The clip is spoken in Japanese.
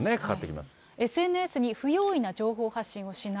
ＳＮＳに不用意な情報発信をしない。